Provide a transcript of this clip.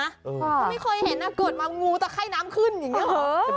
ก็ไม่เคยเห็นเกิดมางูตะไข้น้ำขึ้นอย่างนี้เหรอ